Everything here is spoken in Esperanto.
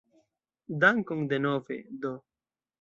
Dankon denove do!